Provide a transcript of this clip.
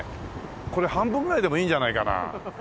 これ半分くらいでもいいんじゃないかな。